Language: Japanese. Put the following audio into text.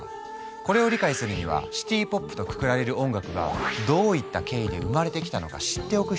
これを理解するにはシティ・ポップとくくられる音楽がどういった経緯で生まれてきたのか知っておく必要がある。